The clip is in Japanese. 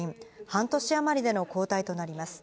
半年余りでの交代となります。